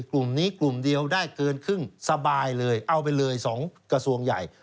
กลุ่มนี้กลุ่มเดียวได้เกินครึ่งสบายเลยเอาไปเลย๒กระทรวงใหญ่